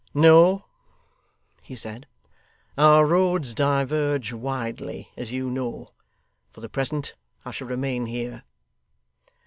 'No,' he said. 'Our roads diverge widely, as you know. For the present, I shall remain here.